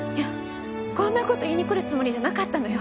こんな事言いに来るつもりじゃなかったのよ。